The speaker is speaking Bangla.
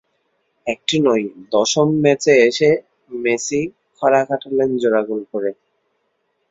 একটি নয়, দশম ম্যাচে এসে মেসি খরা কাটালেন জোড়া গোল করে।